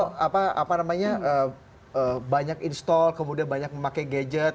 soal apa namanya banyak install kemudian banyak memakai gadget